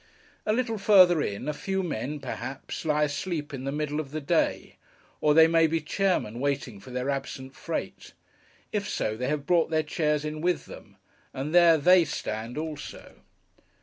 A little further in, a few men, perhaps, lie asleep in the middle of the day; or they may be chairmen waiting for their absent freight. If so, they have brought their chairs in with them, and there they stand also.